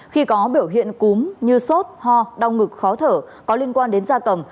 khi có biểu hiện cúm như sốt ho đau ngực khó thở có liên quan đến da cầm